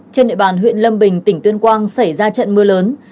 trên địa bàn huyện lâm bình tỉnh tuyên quang xảy ra trận mưa lớn